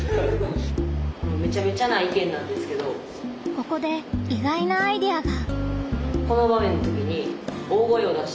ここで意外なアイデアが！